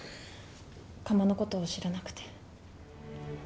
窯のこと知らなくて。